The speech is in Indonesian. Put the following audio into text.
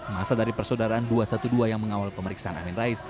masa dari persaudaraan dua ratus dua belas yang mengawal pemeriksaan amin rais